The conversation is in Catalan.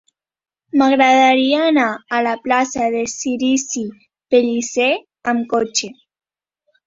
M'agradaria anar a la plaça de Cirici Pellicer amb cotxe.